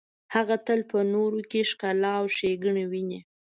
هغه تل په نورو کې ښکلا او ښیګڼې ویني.